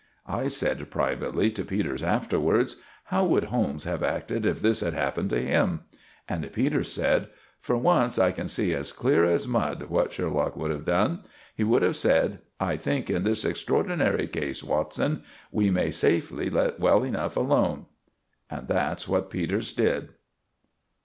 I said privately to Peters afterwards— "How would Holmes have acted if this had happened to him?" And Peters said, "For once I can see as clear as mud what Sherlock would have done. He would have said, 'I think in this extraordinary case, Watson, we may safely let well alone.'" And that's what Peters did.